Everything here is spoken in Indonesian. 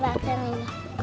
coba ke belakang ini